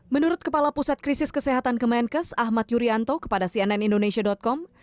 menurut kepala pusat krisis kesehatan kemenkes ahmad yuryanto kepada cnn indonesia com